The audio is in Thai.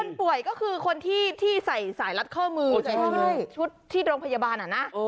คนป่วยก็คือคนที่ใส่สายรัดข้อมือใส่ชุดที่โรงพยาบาลอ่ะนะ